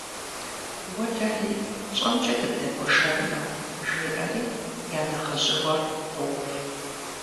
- Уэлэхьи, тщӀэмкӀэ дыбдэгуэшэнмэ, - жеӀэри я нэхъыжьыӀуэр къоув.